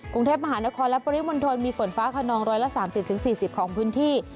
กรุงเทพมหานครและปริมณฑลมีฝนฟ้าขนอง๑๓๐๔๐ของพื้นที่